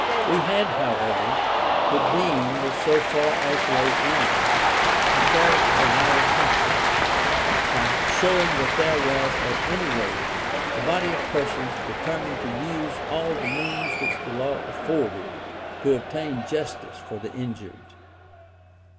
We had, however, redeemed, so far as lay in us, the character of our country, by showing that there was at any rate a body of persons determined to use all the means which the law afforded to obtain justice for the injured.